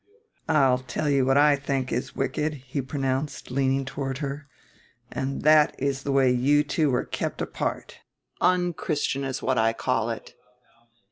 "I'll tell you what I think is wicked," he pronounced, leaning toward her, "and that is the way you two were kept apart; unchristian is what I call it."